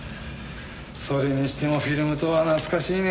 それにしてもフィルムとは懐かしいね。